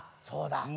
そうだ。